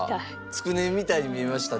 つくねみたいに見えました？